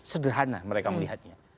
sederhana mereka melihatnya